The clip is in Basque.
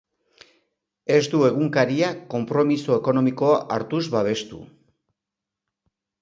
Ez du egunkaria konpromiso ekonomikoa hartuz babestu.